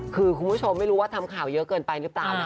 คือคุณผู้ชมไม่รู้ว่าทำข่าวเยอะเกินไปหรือเปล่า